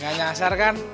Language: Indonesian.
gak nyasar kan